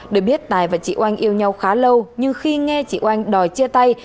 để biết tài và chị oanh yêu nhau khá lâu nhưng khi nghe chị oanh đòi chia tay